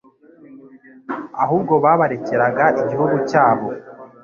Ahubwo babarekeraga igihugu cyabo